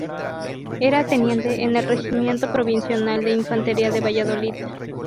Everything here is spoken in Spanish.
Era teniente en el regimiento provincial de infantería de Valladolid.